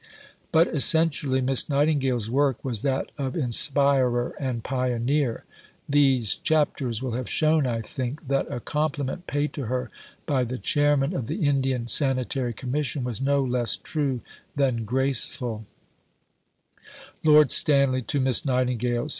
But essentially Miss Nightingale's work was that of inspirer and pioneer. These chapters will have shown, I think, that a compliment paid to her by the Chairman of the Indian Sanitary Commission was no less true than graceful: (_Lord Stanley to Miss Nightingale.